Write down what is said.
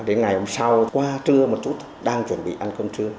đến ngày hôm sau qua trưa một chút đang chuẩn bị ăn cơm trưa